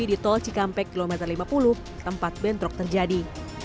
di tol cikampek kilometer lima puluh tempat bentrok terjadi